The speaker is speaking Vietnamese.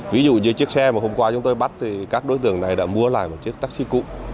ví dụ như chiếc xe mà hôm qua chúng tôi bắt thì các đối tượng này đã mua lại một chiếc taxi cũ